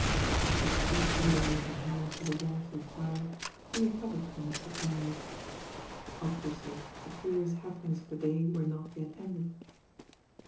As she stood holding out her hands to the warmth of the fire, he recovered from his surprise. Obvi ously the curious happenings of the day were not yet ended.